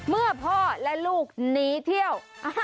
เมื่อพ่อและลูกหนีเที่ยว